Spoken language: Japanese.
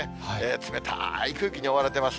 冷たい空気に覆われてます。